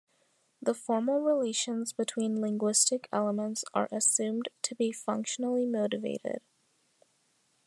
The formal relations between linguistic elements are assumed to be functionally-motivated.